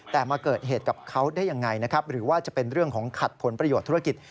แต่มาเกิดเหตุกับเขาได้ยังไงนะครับหรือว่าจะเป็นเรื่องของขัดผลประโยชน์ธุรกิจ